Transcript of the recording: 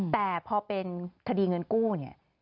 แต่พอเป็นคดีเงินกู้เนี่ย